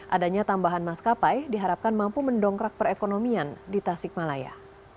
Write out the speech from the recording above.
adanya tambahan maskapai diharapkan mampu mendongkrak perekonomian di tasikmalaya